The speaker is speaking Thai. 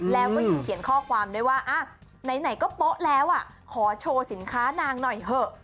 แล้วก็ยังเขียนข้อความด้วยว่าไหนก็โป๊ะแล้วขอโชว์สินค้านางหน่อยเถอะ